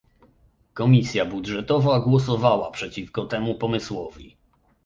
Komisja Budżetowa głosowała przeciwko temu pomysłowi